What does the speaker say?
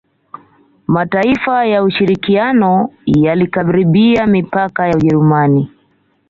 Mataifa ya ushirikiano yalikaribia mipaka ya Ujerumani